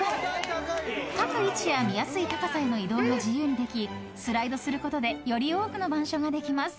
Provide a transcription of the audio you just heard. ［書く位置や見やすい高さへの移動も自由にできスライドすることでより多くの板書ができます］